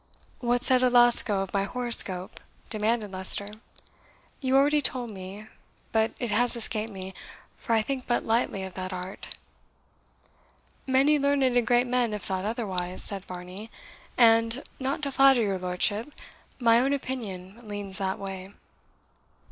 "What said Alasco of my horoscope?" demanded Leicester. "You already told me; but it has escaped me, for I think but lightly of that art." "Many learned and great men have thought otherwise," said Varney; "and, not to flatter your lordship, my own opinion leans that way."